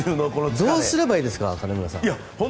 どうすればいいですか金村さん。